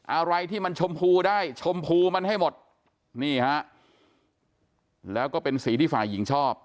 อะไรที่มันชมพูได้ชมพูมันให้หมดนี่ฮะแล้วก็เป็นสีที่ฝ่ายหญิงชอบ